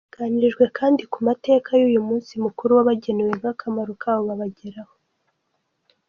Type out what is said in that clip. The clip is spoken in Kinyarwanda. Baganirijwe kandi ku mateka y’uyu munsi mukuru wabagenewe n’akamaro kawo babagereho.